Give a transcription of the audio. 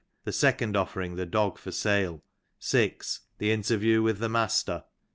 The second offer ing the dog for sale. 6. The interview with the master. 7.